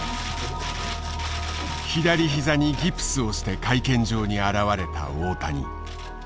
左膝にギプスをして会見場に現れた大谷。